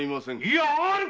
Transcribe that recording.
いやある！